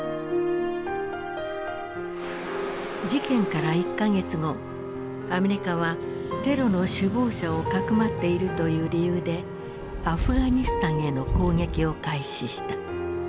事件から１か月後アメリカはテロの首謀者をかくまっているという理由でアフガニスタンへの攻撃を開始した。